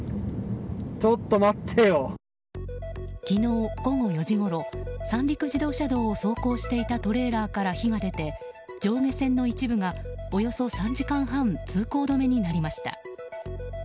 昨日午後４時ごろ三陸自動車道を走行していたトレーラーから火が出て上下線の一部がおよそ３時間半通行止めになりました。